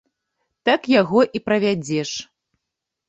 Так яго і правядзеш.